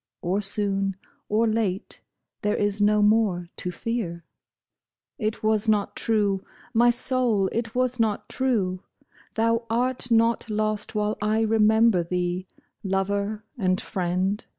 Or soon or late, there is no more to fear." It was not true, my soul ! it was not true !" Thou art not lost while I remember thee, Lover and friend